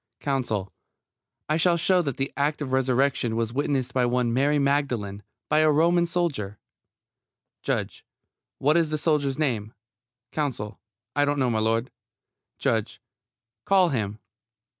COUNSEL: I shall show that the act of resurrection was witnessed by one Mary Magdalene, by a Roman soldier JUDGE: What is the soldier's name? COUNSEL: I don't know, m'lud. JUDGE: Call him.